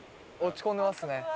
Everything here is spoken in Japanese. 落ち込んでますね。